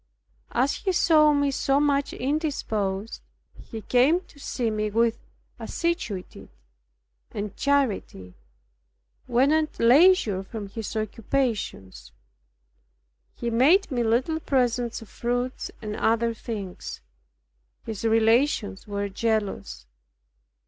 As he saw me so much indisposed, he came to see me with assiduity and charity, when at leisure from his occupations. He made me little presents of fruits and other things. His relations were jealous.